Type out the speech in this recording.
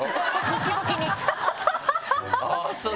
あぁそう！